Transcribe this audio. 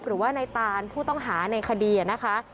หรือว่าในตานผู้ต้องหาในคดีนะคะ